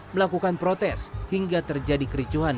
melakukan protes hingga terjadi kericuhan